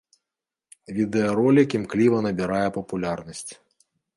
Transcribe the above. Відэаролік імкліва набірае папулярнасць.